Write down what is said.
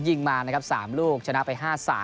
ยิงมานะครับ๓ลูกชนะไป๕๓